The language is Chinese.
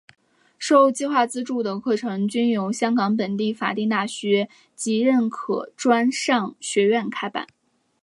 受计划资助的课程均由香港本地的法定大学及认可专上学院开办。